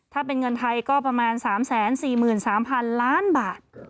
ถ้าเป็นเงินไทยก็ประมาณ๓๔๓๐๐๐ล้านบาท